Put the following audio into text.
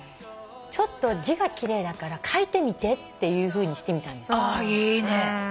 「ちょっと字が奇麗だから書いてみて」っていうふうにしてみたんですよ。いいね。